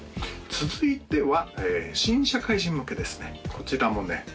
続いては新社会人向けですねこちらもね